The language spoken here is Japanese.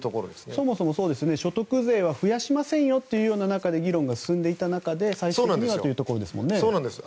そもそも、所得税は増やしませんよという中で議論が進んでいた中で最終的にはというところですよね。